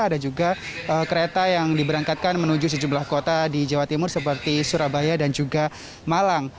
ada juga kereta yang diberangkatkan menuju sejumlah kota di jawa timur seperti surabaya dan juga malang